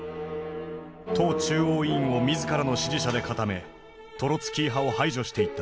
党中央委員を自らの支持者で固めトロツキー派を排除していった。